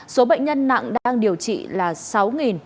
số bệnh nhân nặng đang điều trị là sáu một trăm bốn mươi sáu ca